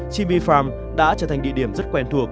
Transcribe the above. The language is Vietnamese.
chimy farm đã trở thành địa điểm rất quen thuộc